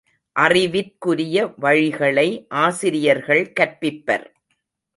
அறிவிற்குரிய வழிகளை ஆசிரியர்கள் கற்பிப்பர்.